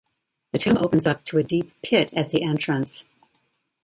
The tomb opens up to a deep pit at the entrance.